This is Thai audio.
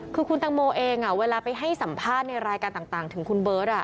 คือคุณตังโมเองเวลาไปให้สัมภาษณ์ในรายการต่างถึงคุณเบิร์ต